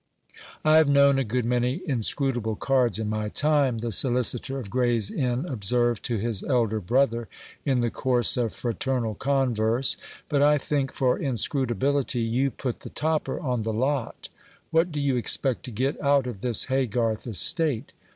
"I have known a good many inscrutable cards in my time," the solicitor of Gray's Inn observed to his elder brother, in the course of fraternal converse; "but I think for inscrutability you put the topper on the lot. What do you expect to get out of this Haygarth estate?